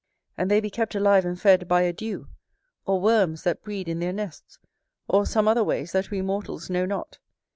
And they be kept alive and fed by a dew; or worms that breed in their nests; or some other ways that we mortals know not.